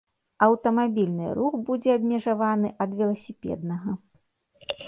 Аўтамабільны рух будзе абмежаваны ад веласіпеднага.